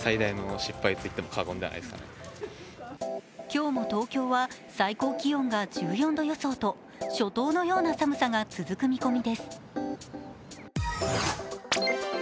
今日も東京は最高気温が１４度予想と初冬のような寒さが続く見込みです。